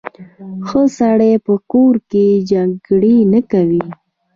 ښه سړی په کور کې جګړې نه کوي.